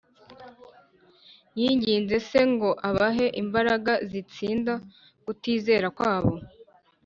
Yinginze Se ngo abahe imbaraga zitsinda kutizera kwabo